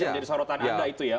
yang jadi sorotan anda itu ya